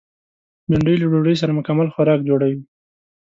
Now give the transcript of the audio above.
بېنډۍ له ډوډۍ سره مکمل خوراک جوړوي